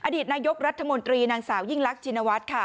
อดีตนายกรัฐมนตรีนางสาวยิ่งรักชินวัฒน์ค่ะ